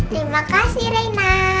terima kasih rena